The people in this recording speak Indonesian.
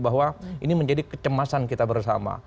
bahwa ini menjadi kecemasan kita bersama